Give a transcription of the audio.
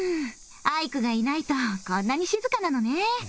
アイクがいないとこんなに静かなのね。